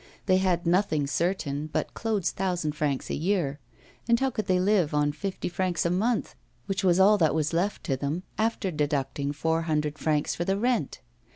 They had nothing certain but Claude's thousand francs a year; and how could they live on fifty francs a month, which was all that was left to them after deducting four hundred francs for the rent?